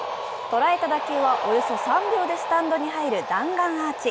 捉えた打球はおよそ３秒でスタンドに入る弾丸アーチ。